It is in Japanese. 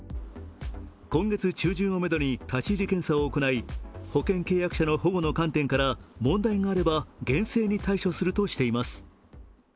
今月中旬をめどに立ち入り検査を行い保険契約者の保護の観点から、問題があれば厳正に対処するとしています。